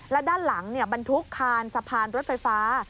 และด้านหลังเนี่ยบันทุกขานสะพานรถไฟฟ้า